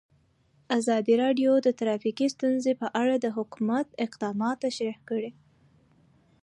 ازادي راډیو د ټرافیکي ستونزې په اړه د حکومت اقدامات تشریح کړي.